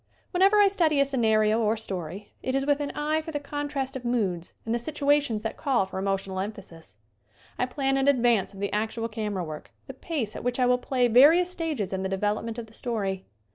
Whenever I study a scenario or story it is with an eyev for the contrast of moods and the situations that call for emotional emphasis. I plan in advance of the actual camera work the pace at which I will play various stages in the development of the story.